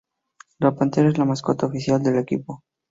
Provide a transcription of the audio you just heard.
La Pantera es la mascota oficial del equipo.